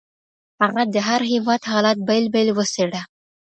هغه د هر هېواد حالت بېل بېل وڅېړه.